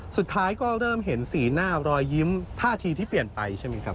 สุดท้ายก็เริ่มเห็นสีหน้ารอยยิ้มท่าทีที่เปลี่ยนไปใช่ไหมครับ